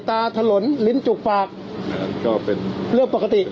ตาถลนลิ้นจุกฟากก็เป็นเรื่องปกติเรื่องปกติเออนะครับ